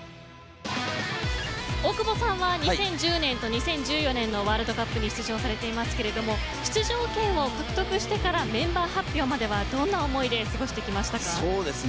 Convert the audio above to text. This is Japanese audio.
大久保さんは２０１０年と２０１４年のワールドカップに出場されていますけど出場権を獲得してからメンバー発表まではどんな思いで過ごしてきましたか。